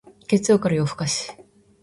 月曜から夜更かし